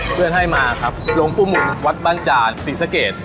เพื่อนให้มาครับหลวงปู่หมุนวัดบ้านจานศรีสะเกด